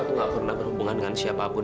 aku gak pernah berhubungan dengan siapapun